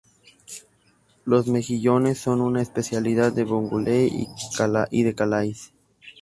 Los mejillones son una especialidad de Boulogne y de Calais.